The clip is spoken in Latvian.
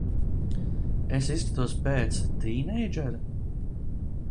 Es izskatos pēc... tīneidžera?